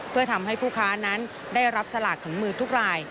เพื่อทำให้ผู้ค้านั้นได้รับสลากถึงมือทุกราย